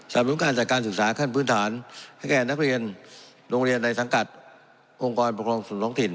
นุนการจัดการศึกษาขั้นพื้นฐานให้แก่นักเรียนโรงเรียนในสังกัดองค์กรปกครองส่วนท้องถิ่น